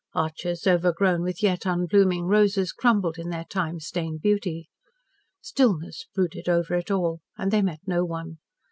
Arches, overgrown with yet unblooming roses, crumbled in their time stained beauty. Stillness brooded over it all, and they met no one.